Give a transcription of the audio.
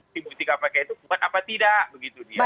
timbu tiga pk itu kuat apa tidak begitu dia